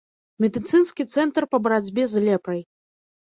Медыцынскі цэнтр па барацьбе з лепрай.